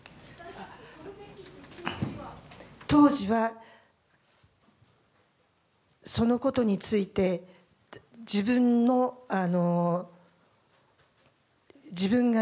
当時はそのことについてあ！